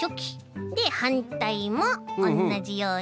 ではんたいもおんなじように。